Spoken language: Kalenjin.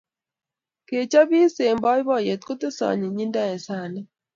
Ke chopis eng boiboiyet kotesei anyinyindo eng sanit